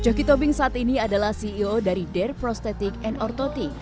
coki tobing saat ini adalah ceo dari dare prostetic and orthotic